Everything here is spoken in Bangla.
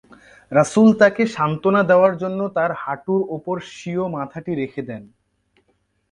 রাসূল তাকে সান্ত্বনা দেওয়ার জন্য তার হাঁটুর ওপর স্বীয় মাথাটি রেখে দেন।